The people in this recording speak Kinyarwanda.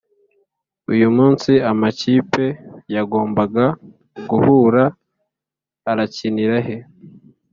uyu munsi amakipe yagombaga guhura arakinira he